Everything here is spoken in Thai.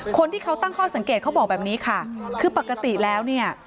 คนที่เขาตั้งข้อสังเกตเขาบอกแบบนี้ค่ะคือปกติแล้วเนี่ย